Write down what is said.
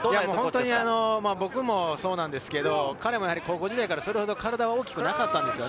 僕もそうなんですけれど、彼も高校時代から体は大きくなかったんです。